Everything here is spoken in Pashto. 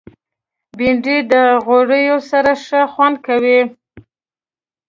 بېنډۍ د غوړیو سره ښه خوند کوي